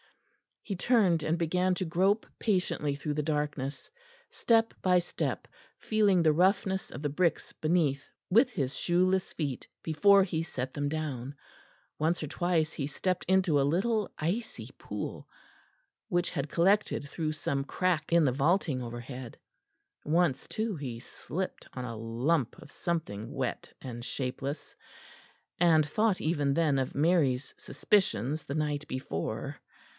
He turned and began to grope patiently through the blackness step by step feeling the roughness of the bricks beneath with his shoeless feet before he set them down; once or twice he stepped into a little icy pool, which had collected through some crack in the vaulting overhead; once, too, he slipped on a lump of something wet and shapeless; and thought even then of Mary's suspicions the night before.